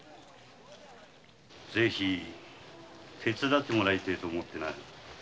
ぜひ手伝ってもらいたいと思ってな。